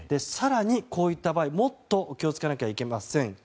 更に、こういった場合、もっと気を付けなければいけません。